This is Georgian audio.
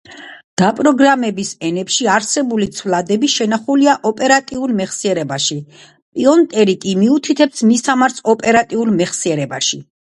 დაპროგრამების ენებში არსებული ცვლადები შენახულია ოპერატიულ მეხსიერებაში, პოინტერი კი მიუთითებს მისამართს ოპერატიულ მეხსიერებაში.